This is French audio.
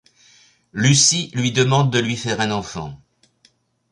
Lucie lui demande de lui faire un enfant.